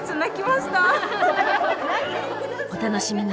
お楽しみに。